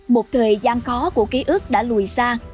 một thời gian khó của ký ức đã lùi xa